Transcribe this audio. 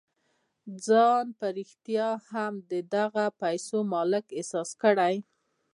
ځان په رښتيا هم د دغو پيسو مالک احساس کړئ.